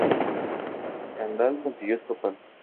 Durandal consiguió escapar...